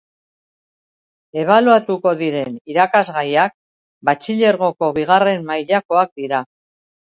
Ebaluatuko diren irakasgaiak Batxilergoko bigarren mailakoak dira.